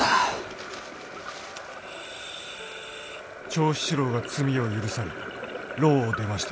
「長七郎が罪を赦され牢を出ました」。